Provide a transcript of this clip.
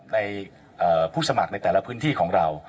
ในผู้สมัครในแต่ละพื้นที่ของเรา